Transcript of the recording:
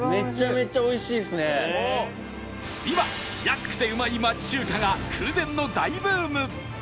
今安くてうまい町中華が空前の大ブーム！